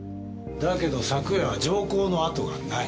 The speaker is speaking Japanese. だけど昨夜は情交の跡がない。